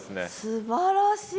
すばらしい。